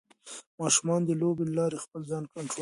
ماشومان د لوبو له لارې خپل ځان کنټرولوي.